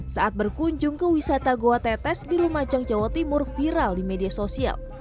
saat berkunjung ke wisata goa tetes di lumajang jawa timur viral di media sosial